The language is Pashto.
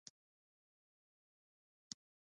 آیا موږ موټر تولیدوو؟